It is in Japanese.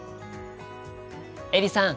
エリさん